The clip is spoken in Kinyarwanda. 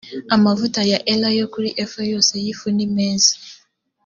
amavuta ya elayo kuri efa yose y ifu nimeza